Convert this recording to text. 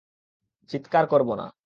চিৎকার করব না।